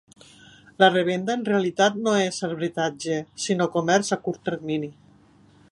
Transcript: La revenda en realitat no és arbitratge, sinó comerç a curt termini.